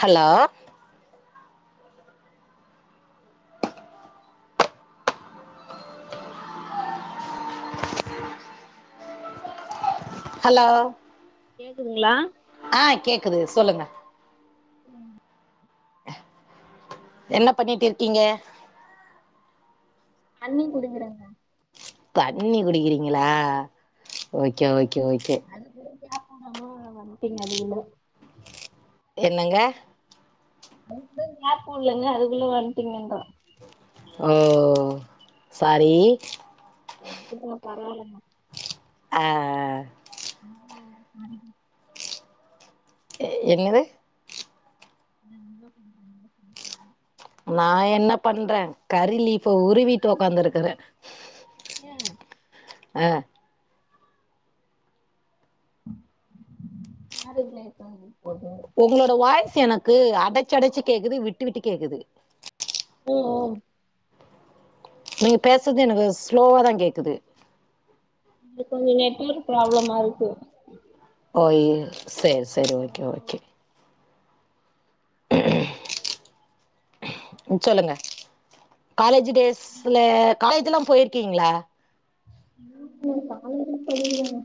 Hello hello கேக்குதுங்ளா? ஆ கேக்குது சொல்லுங்க ம் என்ன பண்ணிட்டு இருக்கீங்க? அண்ணி குடுங்குறாங்க தண்ணி குடிக்கிறீங்களா ஓகே ஓகே ஓகே அது கூட கேப்வுடாம வந்டிங்க அதுவுள்ள என்னங்க [inaudible] கூட கேப்வுட்லங்க அதுக்குள்ள வந்டிங்கன்ற ஓ சாரி பாத்துக்லா பரவால்லங்க அ ஆ [inaudible] எ என்னது [unintelligible] நா என்ன பண்ற கரி லீஃப உருவிட்டு உக்காந்துருக்குற ம் அ மேரேஜ் லைஃப் லா எப்டி போது உங்களோட வாய்ஸ் எனக்கு அடச்சு அடச்சு கேக்குது விட்டு விட்டு கேக்குது ஓ நீங் பேசற்து எனக்கு ஸ்லோவாதா கேக்குது இப்ப இங்க நெட்ஒர்க் ப்ராப்ளமா இருக்கு ஓய் செரி செரி ஓகே ஓகே ம் ம் ம் சொல்லுங்க காலேஜி டேஸ்ல காலேஜ் லா போய்ருகீங்ளா நேத்து காலேஜே படிக்கலைங்க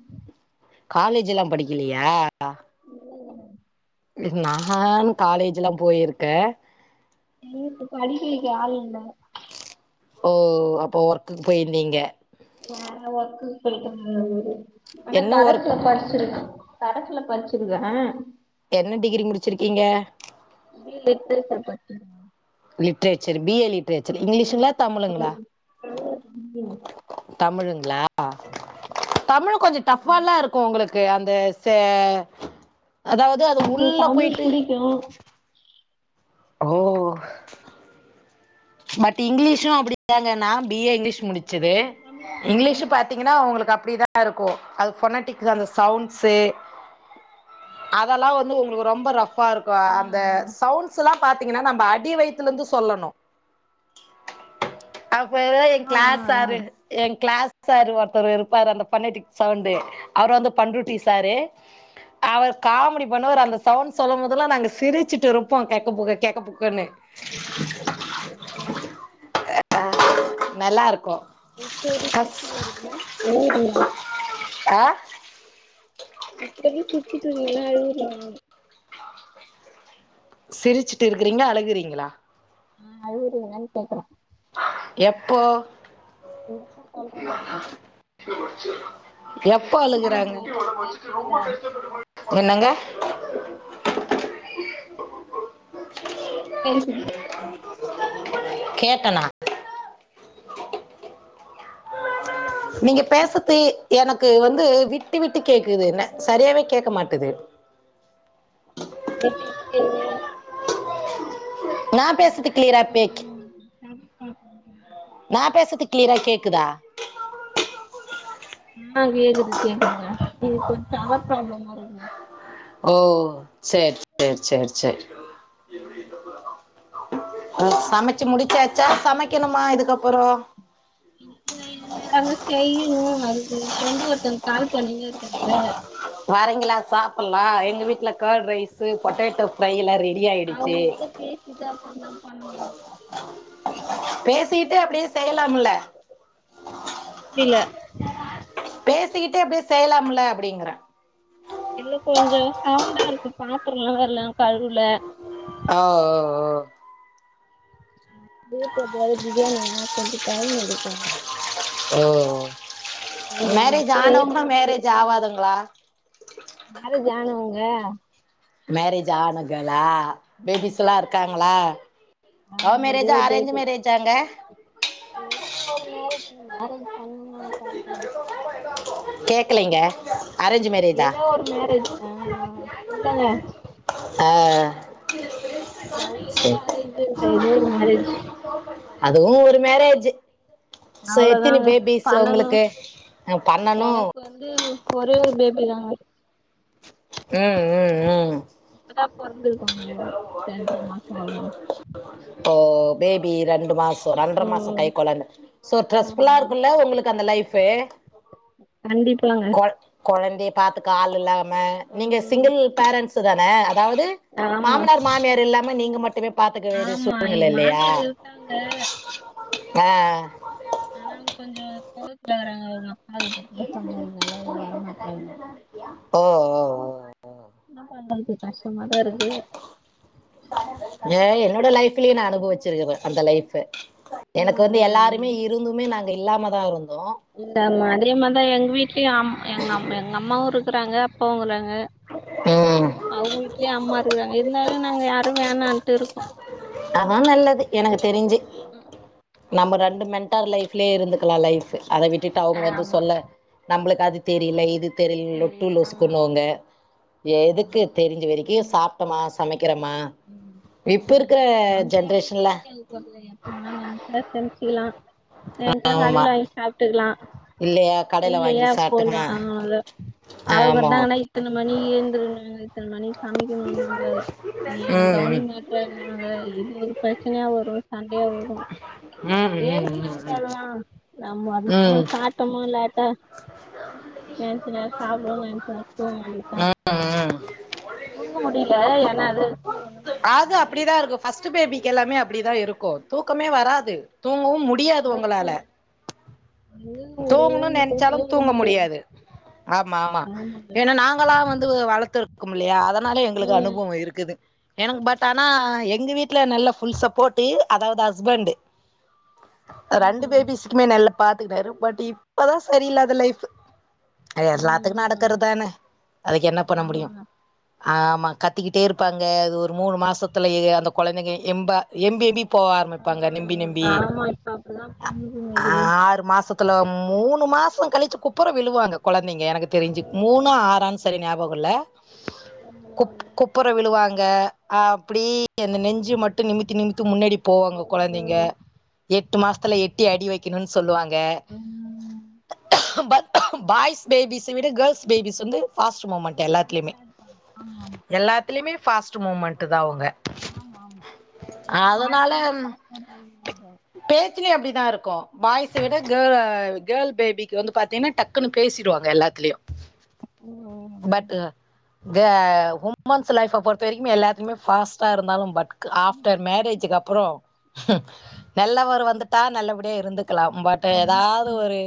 காலேஜ் எல்லா படிக்கலயா இல்லைங்க நான் காலேஜ் எல்லா போயிருகே எங்க வீட்ல படிக்க வைக்க ஆளு இல்ல ஓ அப்போ ஒர்க்குக் போயிருதீங்க வேற ஒர்கு போயிடு இருந்தாரு ஆனா என்ன ஒர்க் கரஸ்ல படிச்சிருக்க கரசுல படிச்சிருதக என்ன டிகிரி முடிச்சிருகீங்க இல் இட்டு க பட்டு லிட்ரேச்சர் பி ஏ லிட்ரேச்சர் ம் இங்கிலீஷுங்ளா தமிழுங்ளா ம் நல்லா சொன்னீங்க தமிழுங்ளா தமிழ் கொஞ்சோ டஃபால்லா இருக் கோ உங்களுக்கு அந்த சே அதாவது அது உள்ள போயிட்டு யு ஓ பட் இங்கிலீஷு அப்டிதாங்க நா பி ஏ இங்கிலீஷ் முடிச்சது இங்கிலீஷ் பாத் திங்கன்னா உவுங்ளுக்கு அப்டிதா இருக்கு அது பொனட்டிக் அந்த சவுண்ட்ஸ் செ அதெலா வந்து உங்ளுக்கு ரொம்ப ரஃபா இருக்கு அந்த ஆ சவுண்ட்ஸ் ஸ் லா பாத்தீங்ன்னா நம்ம அடி வயுத்ல இருந்து சொல்லணு அப்பதா எ ஆ ஆ ஆ க்ளாசாரு எ கிளாஸ் சாரு ஒர்தரு இருப்பாரு அந்த ப்பொனெட்டிக் சவுண்டு அவர் வந்து பண்ருட்டி சாரு அவர் காமெடிப் பன்னுவாரு அந்த சவுண்ட் சொல்லுபோத்லா நாங்க சிரிசிட்டு இருப்போ கேக புக்க கேக புக்கன்னு இல்லங்க ஆ நல்லா இருக்கு இப்போத் சிரிசினிகிறிங்க அழுவுறீங்ளா அ இப்டி த சிரிசிட்டு வறிங்களா அழுறீங்கானு சிரிசிட்டு இருகிறீங்ளா அழுகுறீங்களா ம் அழவுரிங்ளானு கேக்ற எப்போ இப்ப சொல்ற மனசு எப்பொ மேரேஜ் அழுகுறாங்க லைஃப் நல்லா இருக்கீங்கள என்னங்க கேட்டனா நீங்க பேசத்து எனகு வந்து விட்டு விட்டு கேட்குது ன சரியாவே கேக்க மாட்டுது விட்டு விட்டு கேக்குது நா அது பேசறது கிளியரா பே கொஞ்சோ சம்ஸ் [inaudible] நா பேசத்து க்ளியரா கேக்குதா ம் அ கேக்குது கேக்குது இது கொஞ்ச டவர் ப்ராப்ளமார் இருக் ஓ சேர் சேர் சேர் சேர் அ சமச்சு முடிச்சாச்சா சமைக்கணுமா இதுகப்பறோ [inaudible] செய்ணு அதுக்கு ஃப்ரெண்டு ஒருதங்க கால் பணிணே இருகாங்க வாறீங்ளா சாப்பல்லா எங்க வீட்ல கேட் ரைஸு பொட்டேடோ ஃப்ரை லா ரெடிய அவ்ங்கிட்ட பேசீட்டு அப்றமா தா பண்ணு பேசீட்டு அப்டியே செய்யலாமல்ல புரில பேசிகிட்டே அப்டியே செய்யலாம்ல அப்டிங்ற இல்ல கொஞ்சோ சவுண்டா இருக்கு பாத்திரல்ல வேல கழுவுல. ஆ ஓ, ஓ, வீட்ல வேற பிரியாணியா, கொஞ்ச டைம் எடுக்கு ஓ அவங்க மேரேஜ் அப்பா ஏன் ஆனவங்ளா, மேரேஜ் ஆவாதவ்ங்ளா? மேரேஜ் ஆனவுங்க. மேரேஜ் ஆனா கேளா? பேபிஸ் எல்லா இருக்காங்ளா? அவங்க லவ் ஒரே மேரேஜா? அரேஞ்ச் பேபி மேரேஜாங்க? ஏதோ ஒரு மேரேஜ், நீங்க மேரேஜ் பண்ணுனா பண்ணிகோங்க. கேக்கலைங்க. அரேஞ்ச் மேரேஜா ஏதோ ஒரு மேரேஜ், ஆ, ஆ இல்லங்க. ஆ லவ்வு இல்ல, சரி அரேஞ்ச்சு இல்ல, ஏதோ ஒரு மேரேஜ். அதுவு ஒரு மேரேஜ்ஜு அவ்ளோதாங்க பண்ணணு உங்களுக்கு ஆ பண்ணணு எனக்கு வந் து ஒரே ஒரு பேபி தாங்க ம் ம் ம் இப்பதா பொறதுருகாங்கோ ரென்ற மாசோ ஆவு ஓ பேபி ரெண்டு மாஸ் ரெண்ர மாசோ கை ம் கொழந்த சோ ட்ர்ஸ்ஃபுல்லா இருக்குல்ல உங்களுக்கு அந்த லைஃப்பு கண்டிபாங்க கொழந்தைய பாத்துக்க ஆள் இல்லாம, நீங்க ம். சிங்கிள் பேரண்ட்ஸு தான அதாவ்து ஆமா மாமனார், மாமியார் இல்லாம நீங்க மட்டுமே பாத்துக்க வேண்டிய ஆமா சூழ்நில எங்க இல்லையா? மாமியார் இருக்காங்க ஆ ஆனா, அவ்ங்க கொஞ்சோ கோவத்துல வர்றங்க, அவுங்கப்பா கிட்ட பேசற மாரி நெலைல வரமாட்டறாங்க. ஓ ஓ என்ன பண்றது, கஷ்டமாதா இருக்குது ஏ, என்னோட லைஃப்லயே நா அனுபவிச்சிருக்கே. அந்த லைஃப்பு ம், எனக்கு வந்து ம், எல்லாரு மே ம். இருந்துமே, நாங்க இல்லாம தா இருந்தோ இந்த மாத்ரி மனிதாங்க எங்க வீட்லயு எ அம் எங்கம் எங்கம்மாவு இருக்கறாங்க அப்பாவு இருக்கறாங்க. ம் அவுங்க வீட்லயு அம்மா இருக்கிறாங்க. இருந்தாலு நாங்க யாரு வேணான்ட்டு இருக்கோ அதா நல்லது, எனக்கு தெரிஞ்சி நம்ம ரெண்டு மென்டர் லைப்லயே இருந்துக்கலா லைஃப் அத விட்டுட்டு அவுங்க வந்து ஆமா சொல்ல நம்ளுக்கு அது தெரியல இது தெரியல லொட்டு தெரியுது ஆமா லோசுக்குண்ணுவாங்க எதுக்கு ம். தெரிஞ்சு வரைக்கு சாப்பிட்டமா, சமைக்கிறமா, இப்ப ம். இருக்கிற ஜென்ரேஷன்ல, மொத்ததுல எப்ப வேனா நென்ச்சா சமைச்சுகலா நென்ச்சா ஆமா கடையில வாங்கி சாப்ட்டுக்கலா இல்லையா கடையில வாங்கி இல்லையா சாப்ட்டுங்க போலாம் ஆ ஹலோ அவுங்க ஆமா இருதாங்கனா இத்தன மணிக் ஏந்துக்கணு இத்தன மணிக் சமைக்கணுவாங்க நீ என்ன ம் கவனிக்மாட் றன்னுவாங்க இது ஒரு பிரச்சனையா வரும். சண்டையா வரு ம் ம் ம் ம் ஏதுக்கு நம்க்கு அலலா நம்ம ம் அதுக்கு ம் சாட் டமுல்லாட்ட, நெனச்சா நேரோ சாப்டுவோ, நெனச்ச நேரோ தூங்க வேண்டித் தா ம் ம் தூங்க முடியல ஏனா அததுக்கு ஒன்னு பண்ண முடில பர்ஸ்ட் பேபிக்கு எல்லாமே அப்டிதா இருக்கு தூக்கமே வராது தூங்கவும் முடி யாது உங்களால முடியல ம் தூங்கணுன் நென் விடவே ச்சாலு விட தூங்க மாட்டேங்குது முடியாது ஆமா, ஆமா ஆமாங்க ஏனா நாங்களாம் வந்து வளத்து க்கும் இல்லையா அதனால எங்களுக்கு அனுபவம் இருக்குது எனக்கு பட் ஆனா எங்க வீட்டுல நல்ல ஃபுல் சப்போர்ட்டு அதாவது ஹஸ்பண்ட்டு ரெண்டு ம் பேபிஸ்க்குமே நல்ல பாத்துக்துனாரு பட் இப்பதா சரியில்லாத லைஃப் எல்லாத்துக்கு ம் நடக்கறதான அதுக்கு என்ன பண்ண முடியு ஆமாங்க ஆமா கத்திக்கிட்டே இருப்பாங்க அது ஒரு மூணு மாசத்துலயே அந்த கொழந்தைங்க எம்ப எம்பி எம்பி போவ ஆ ஆரம்பிப்பாங்க நெம்பி நெம்பி ஆமா இப்ப அப்டிதா பண்ணுதுங்க அது ஆறு மாசத் துல மூணு மாசம் கழிச்சி குப்பற விழுவாங்க கொழந்தைங்க எனக்கு தெரிஞ்சு மூணா ஆறானு சரியா நியாப கோல்ல குப் குப்பர விழுவாங்க அப்டி அந்த நெஞ்சு மட்டு நிமித்தி நிமித்து முன்னடி போவாங்க கொழந்தைங்க எட்டு மாசத்துல எட்டி அடி வைக்கணுன்னு சொல்லுவாங்க ம் பாய்ஸ் பேபிஸ விட கேர்ள்ஸ் பேபிஸ் வந்து ஃபாஸ்ட்டு மூமெண்ட் கொஞ்சோ எல்லாத்துலேயுமே ஃபாஸ்ட்டா இருப்பாங்க ஆமா எல்லாத்துலயுமே ஃபாஸ்ட்டு மூமெண்ட்டு தா அவுங்க ஆமா ஆமா வாழ்க்கையே பாஸ்டா போ பேச்சுலயு அப்டிதா இருக்கு பாய்ஸ் விட கே கேர்ள் பேபிக்கு வந்து பாத்திங்ன்னா டக் குனு பேசிடுவாங்க எல்லாத்லியு ம் பட் கே உமன்ஸ் லைஃப்ப பொறுத்த வரைக்குமே எல்லாத்துலயுமே பாஸ்ட்டா இருந்தாலு பட் ஆஃப்டர் மேரேஜ்க்கு அப்பறோ நல்லவர் வந்துட்டா நல்லபடியா இருந்துக்கலாம் பட் ஆ ஏதாவது ஒரு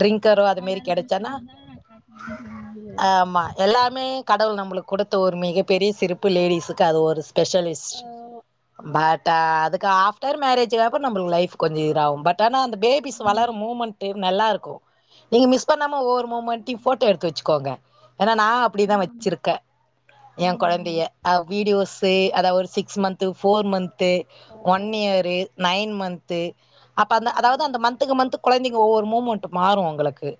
ட்ரிங்க்கரோ அது மேரி கோளாறு கெடச்சானா பிரச்சனதா காத்து மாட்டி முடியல ஆமா எல்லாமே கடவுள் நம்மளுக்கு குடுத்த ஒரு மிகப்பெரிய சிறப் பு லேடிஸுக்கு அது ஒரு ஸ்பெஷலிஸ்ட் ஆ பட் அதுக்கு ஆப்டர் மேரேஜ்ஜுக்கப்றோ நம்புள்க்கு லைப் கொஞ்சம் இது ஆகு பட், ஆனா அந்த பேபிஸ் ம் வளர்ரா மூமெண்ட் நல்லா இருக்கு நீங்க மிஸ் பண்ணாம ஒவ்வொரு மூமெண்ட், யு போட்டோ எடுத்து வெச்சுக்கோங்க ஏனா நா அப்டிதா ஆமா ஆமா வெச்சிருக்கே என் ம் ம். கொழந்திய ஆ வீடியோஸ்சு அதா ஒரு சிக்ஸ் மந்த்து ஃபோர் மந்த் து ஒன் ம். இயரு நைன் மன்த்து அப்ப அந்த அதாவது அந்த மன்த்க்கு மன்த் கொழந்திங் ஒவ்வொரு மூமெண்ட்டு மாறு உங்களுக்கு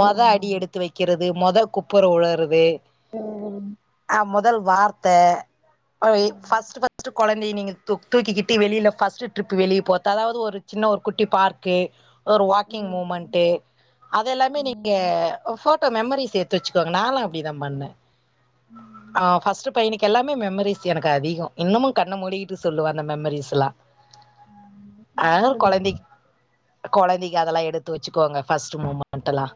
மொத ஆமா அடி எடுத்து வெக் கிறது மொதல் குப்பற உழறது ஹ் ஆஹ் மொதல் வார்த்த பஸ்ட் பஸ்ட் கொழந் நீ நீங்க தூ தூக்கிக்கிட்டு வெளில ஃபர்ஸ்ட் ட்ரிப் வெளிய போறது அதாவது ஒரு சின்ன ஒரு குட்டி பார்க்கு ஒரு வாக்கிங் ம் மூமெண்ட்டு அதெல்லாமே ம் நீங்க ம் போட்டோ மெமரிஸ் எடுத்து வெச்சுக்கோங்க நா எல்லா அப்டிதாபண்ணேன் ஆ ம் ஃபர்ஸ்ட் பையனுக்கு எல்லாமே மெமரிஸ் எனக்கு அதிகோ இன்னமு கண்ணமூடிகிட்டு சொல்லுவன் அந்த மெமரிஸ்ல்லா ஆ ம். ஆகுதுங்க கொழந்தைக் கொழந்தைக அதெல்லா எடு த்து வெச்சுக்கோங்க ஃபர்ஸ்ட் மூமெண்ட்ல்லா ம்.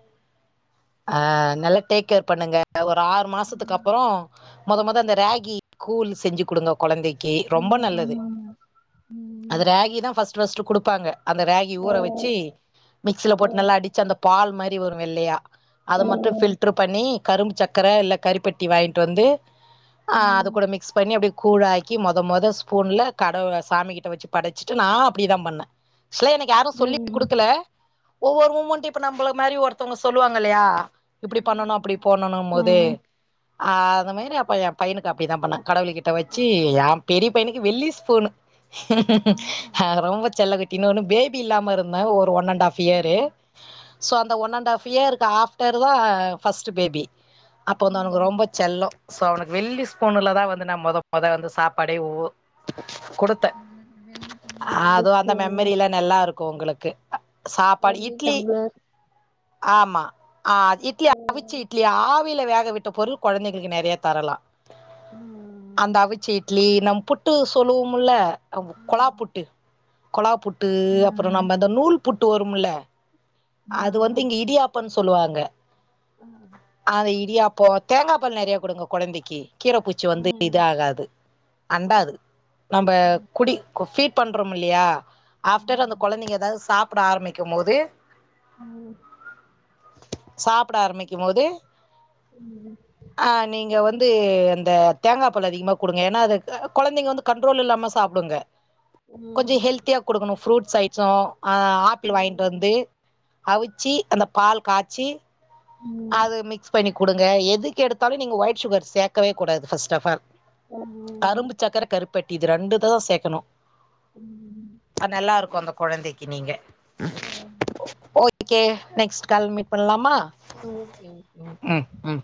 ஆ நல்ல டேக் கேர் பண்ணுங்க ஒரு ஆறு மாசத்துக்கு ம் அப்றோ மொத மொத அந்த ராகி கூழ் செஞ்சு குடுங்க கொழந்தைக்கு ஆ ரொம்ப நல்லது ஆமாமா அது ம் ராகிதா ஃபர்ஸ்ட் ஃபர்ஸ்ட் குடுப்பாங்க அந்த ராகி ஊற ம் வெச்சு மிக்ஸில போட்டு ம் நல்லா அடிச்சு அந்த பால் மாரி வரு வெள்ளயா அது மட்டு ஃபில்ட்டர் பண்ணி கரும்பு சக்கர இல்ல கறிப்பட்டி வாங்கிட்டு வந்து ஆ அத ம் கூட மிக்ஸ் பண்ணி அப்டி கூழாக்கி மொத மொத ஸ்பூன்ல கடவு சாமி கிட்ட வெச்சு படச்சிட்டு நா அப்டிதா பண்ணே ஆக்சுலா எனக்கு யாரு ம் சொல்லி ம் குடுக்கல ஒவ்வொரு மூமெண்ட்டு இப்ப நம்மள மாரி ஒருத்தவங்க சொல்லுவாங்க இல்லையா இப்டி பண்ணனு ஆமா அப்டி போணனும்போது ம் அ அந்த மாரி அப்ப என் பையனுக்கு அப்டிதா பண்ண கடவுள் கிட்ட ஓ வெச்சு என் பெரிய பையனுக்கு வெள்ளி ஸ்பூனு ம் ரொம்ப செல்ல குட்டி இன்னொனு பேபி இல்லாம இருந்த ஒரு ஒன்னா ன்ன அண்ட் ஆஃப் இயரு ம் சோ அந்த ஒன் அண்ட் ஆஃப் இயருக்கு ஆஃப்ட்டர்தா ஃபர்ஸ்ட் பேபி அப்போ அவனுக்கு ம் ரொம்ப செல்லோ சோ அவனுக்கு வெள்ளி ஸ்பூன்லதா வந்து நா மொத மொத வந்து சாப்பாடே ஊ குடு த மலர் வெள்ளிக்கின்னா வெள்ளி அதுவு அந்த ஸ்பூனு மெமரியெல்லா நல்லாரு க்கு உங்களுக்கு சாப்பாடு வெள்ளி இட்லி டம்ளர் ஆமா ஆ இ ச்ச ம் இட்லி ஆவில வேக விட்ட பொருள் கொழந்தைகளுக்கு நெறயா தரலா அந்த ம் அவிச்ச இட்லி நம் புட்டு சொல்வோம்ல்ல கொலா ஆமா புட்டு கொழா புட்டு ஆ அப்றோ நம்ம இந்த நூல் புட்டு வருமல்ல ஆ அது வந்து இங்க இடியாப்பன்னு சொல்லுவாங்க ஆ அந்த இடியாப்போ தேங்கா பால் நெறையா குடுங்க கொழந்தைக்கு கீர பூச்சி வந்து ம் இதா ஆகாது அண்டாது நம்ம ம் குடி ஃபட் பண்றோ இல்லையா ஆஃப்டடர் அந்த ஆமாமா கொழந்தைங்க எதாவது சா ப்ட ஆரம்பிக்கும்போது மோ சாப்ட ஆரம்பிக்கும்போது ம் அ நீங்க வந்து அந்த தேங்கா பால அதிகமா குடுங்க ஏனா அது கொழந்தைங்க வந்து கண்ட்ரோல் இல்லாம சாப்டுங்க ம் கொஞ்சோ ஹெல்தியா குடுக்கணு ஃப்ரூட்ஸ் ஐட்ஸோ ஆ ஆப்பிள் வாங்கிட்டு ம் வந்து அவிச்சி அந்த பால் காச்சி ம் ம் அது மிக்ஸ் பண்ணி குடு ங்க எதுக்கெடுத்தாலு நீங்க ஒயிட் சுகர் சேக்கவே கூடாது ஃபர்ஸ்ட் அஃப் ஆல் கரும்பு சக்கர கரு ப்பட்டி இது ரெண்டுதா சேக்கணு ம் அ நல்லாருக்கு அந்த கொழந்தைக்கு நீங்க ஓம் ஓகே நெக்ஸ்ட் கால் மீட் பண்லாமா ஓகே ஓகே ஓகே ம் ம்